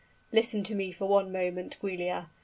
Listen to me for one moment, Giulia.